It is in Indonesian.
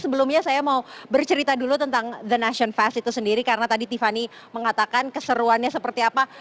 sebelumnya saya mau bercerita dulu tentang the nation fest itu sendiri karena tadi tiffany mengatakan keseruannya seperti apa